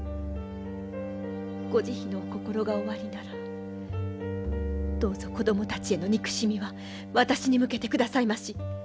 ご慈悲のお心がおありならどうぞ子供たちへの憎しみは私に向けてくださいまし。